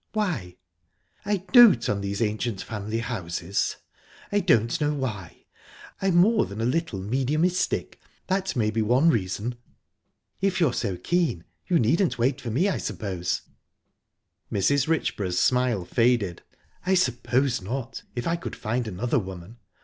"Why?" "I dote on these ancient family houses. I don't know why. I'm more than a little mediumistic that may be one reason." "If you're so keen, you needn't wait for me, I suppose." Mrs. Richborough's smile faded. "I suppose not, if I could find another woman.